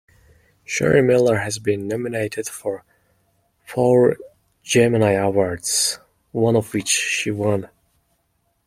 Sherry Miller has been nominated for four Gemini awards, one of which she won.